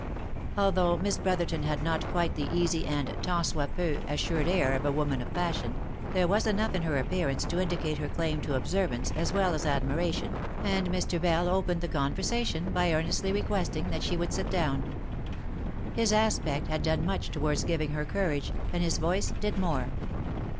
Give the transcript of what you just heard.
Although Miss Brotherton had not quite the easy and ftant soit pen J assured air of a woman of fashion, there was enough in her appearance to indicate her claim to observance, as well as admiration, and Mr. Bell opened the conversation by earnestly requesting that she would sit down. His aspect had done much towards giving her courage, and his voice did more.